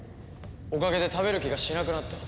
おかげで食べる気がしなくなった。